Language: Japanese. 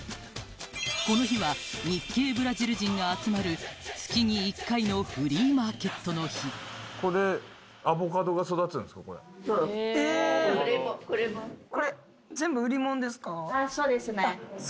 この日は日系ブラジル人が集まる月に１回のフリーマーケットの日これ・あっそうですねあっ